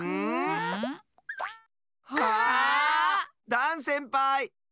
ダンせんぱい！